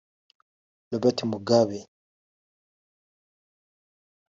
Robert Mugabe